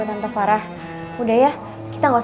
ini kenapa rame rame banget